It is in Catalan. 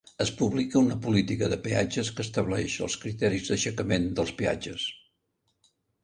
Es publica una política de peatges que estableix els criteris d'aixecament dels peatges.